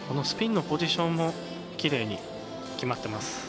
スピンのポジションもきれいに決まっています。